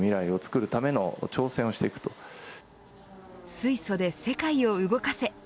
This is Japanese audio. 水素で世界を動かせ。